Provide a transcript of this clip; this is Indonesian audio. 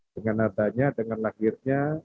dengan adanya dengan lahirnya